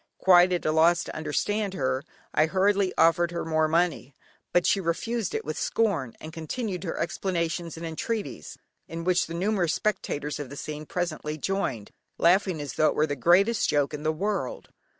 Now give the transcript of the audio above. Quite at a loss to understand her, I hurriedly offered her more money, but she refused it with scorn, and continued her explanations and entreaties, in which the numerous spectators of the scene presently joined, laughing as though it were the greatest joke in the world.